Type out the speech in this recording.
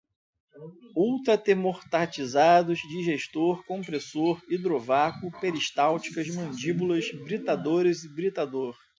ultratermostatizados, digestor, compressor, hidrovácuo, peristálticas, mandíbulas, britadores, britador